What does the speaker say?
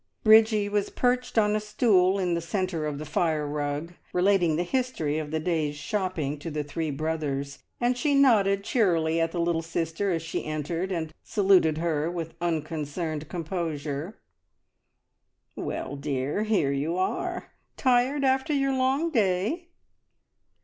Bridgie was perched on a stool in the centre of the fire rug, relating the history of the day's shopping to the three brothers, and she nodded cheerily at the little sister as she entered, and saluted her with unconcerned composure. "Well, dear, here you are! Tired after your long day?"